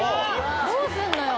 どうすんのよ？